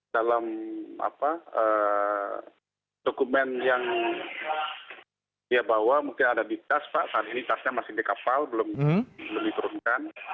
dalam dokumen yang dia bawa mungkin ada di tas pak saat ini tasnya masih di kapal belum diturunkan